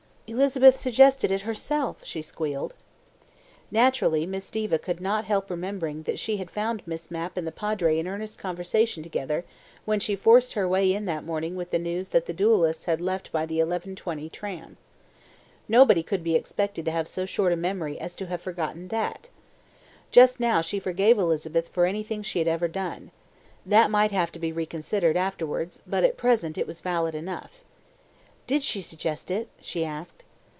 "Elizabeth suggested it herself," she squealed. Naturally Diva could not help remembering that she had found Miss Mapp and the Padre in earnest conversation together when she forced her way in that morning with the news that the duellists had left by the 11.20 tram. Nobody could be expected to have so short a memory as to have forgotten THAT. Just now she forgave Elizabeth for anything she had ever done. That might have to be reconsidered afterwards, but at present it was valid enough. "Did she suggest it?" she asked.